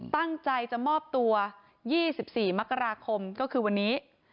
ตั้งใจจะมอบตัว๒๔มกราคมก็คือวันนี้